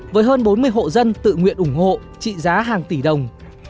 với hơn bốn mươi hộ dân tự nguyện ủng hộ trị giá hàng tỷ đồng